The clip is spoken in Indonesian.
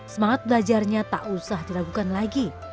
semangat belajarnya tak usah diragukan lagi